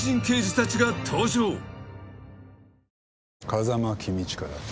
「風間公親だ」